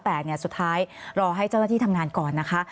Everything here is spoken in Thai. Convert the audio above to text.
แต่สุดท้ายรอให้เจ้าหน้าที่ทำงานก่อนนะคะ